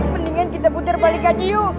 mendingan kita putar balik aja yuk